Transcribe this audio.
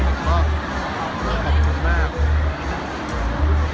อยากจะปล่อยให้กำลังใจผมและก็ขอบคุณมาก